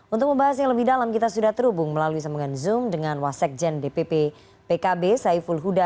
untuk membahas yang lebih dalam kita sudah terhubung melalui sambungan zoom dengan wasekjen dpp pkb saiful huda